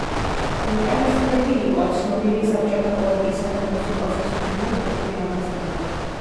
უკანასკნელი იყო ცნობილი საბჭოთა პოეტისა და მუსიკოსის ბულატ ოკუჯავას მამა.